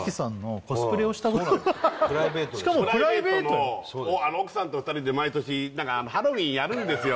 プライベートでしかもプライベート奥さんと２人で毎年ハロウィンやるんですよ